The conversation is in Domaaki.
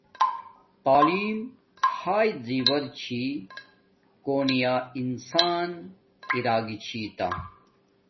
تعیلم ہاݵݵ زیور چھی کونی یا انسان ارا گی چھی تا